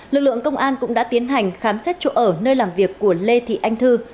lực lượng công an cũng đã tiến hành khám xét chỗ ở nơi làm việc của lê thị anh thư